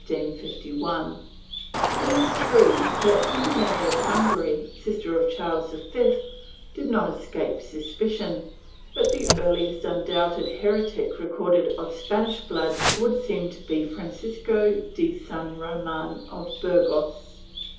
^ It is true that Queen Mary of Hungary, sister of Charles V, did not escape suspicion,^ but the earliest undoubted heretic recorded of Spanish blood would seem to be Francisco de San Roman of Burgos.